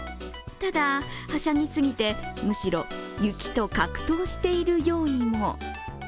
ただ、はしゃぎすぎてむしろ雪と格闘しているようにも。